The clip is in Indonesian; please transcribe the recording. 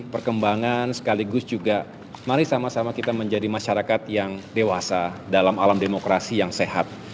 perkembangan sekaligus juga mari sama sama kita menjadi masyarakat yang dewasa dalam alam demokrasi yang sehat